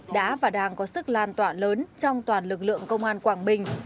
đã và đang có sức lan tỏa lớn trong toàn lực lượng công an quảng bình